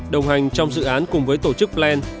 đồng hành trong dự án cùng với tổ chức plan